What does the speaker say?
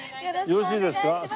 よろしいですか？